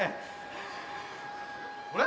あれ？